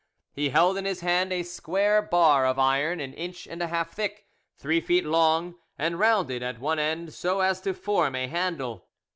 He held in his hand a square bar of iron, an inch and a half thick, three feet long, and rounded at one end so as to form a handle.